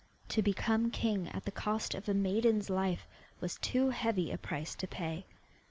To become king at the cost of a maiden's life was too heavy a price to pay.